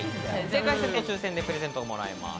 正解すると抽選でプレゼントがもらえます。